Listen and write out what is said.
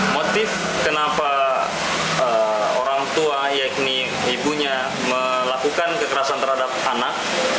motif kenapa orang tua yakni ibunya melakukan kekerasan terhadap anak